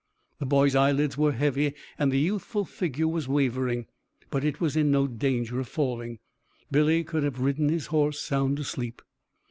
The boy's eyelids were heavy and the youthful figure was wavering, but it was in no danger of falling. Billy could have ridden his horse sound asleep.